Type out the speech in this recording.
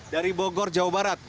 dari bogor jawa barat